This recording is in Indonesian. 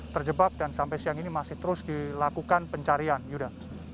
terjebak dan sampai siang ini masih terus dilakukan pencarian yuda